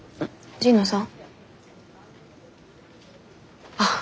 神野さん